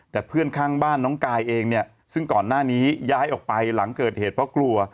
แต่เพื่อนข้างบ้านน้องกายเองเนี่ยซึ่งก่อนหน้านี้ย้ายออกไปหลังเกิดเหตุเพราะกลัว